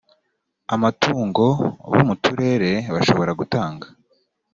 amatungo bo mu turere bashobora gutanga